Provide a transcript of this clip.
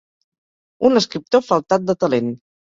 Un escriptor faltat de talent.